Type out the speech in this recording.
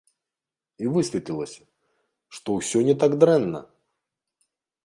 І высветлілася, што ўсё не так дрэнна!